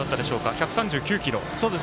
１３９キロ。